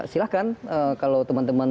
silahkan kalau teman teman